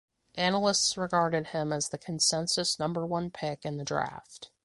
Analysts regarded him as the consensus number one pick in the draft.